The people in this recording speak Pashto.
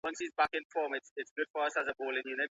ولي کوښښ کوونکی د تکړه سړي په پرتله موخي ترلاسه کوي؟